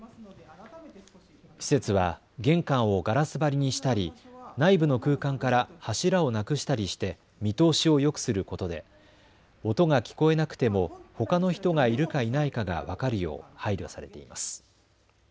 施設は玄関をガラス張りにしたり内部の空間から柱をなくしたりして見通しをよくすることで音が聞こえなくても、ほかの人がいるかいないかが分かるよう配慮されています。